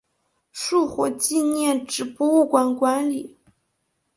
树火纪念纸博物馆管理。